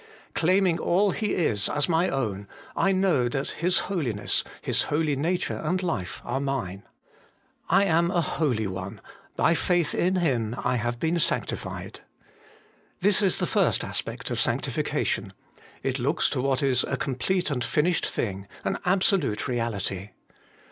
Claiming all He is as my own, I know that His Holiness, His holy nature and life, are mine ; I am a holy one : by faith in Him I have been sanctified. This is the first aspect of sanctification : it looks to what is a complete and finished thing, an absolute reality.